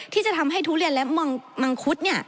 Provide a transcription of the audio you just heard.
ที่จะทำให้ทุเรียนและมังคุด